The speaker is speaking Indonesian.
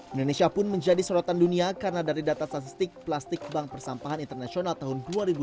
indonesia pun menjadi sorotan dunia karena dari data statistik plastik bank persampahan internasional tahun dua ribu dua puluh